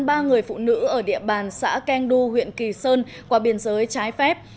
ba người phụ nữ ở địa bàn xã keng du huyện kỳ sơn qua biên giới trái phép